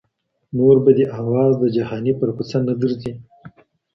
نور به دي آواز د جهاني، پر کوڅه نه درځي